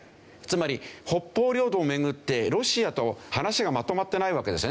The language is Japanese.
つまり北方領土を巡ってロシアと話がまとまってないわけですよね。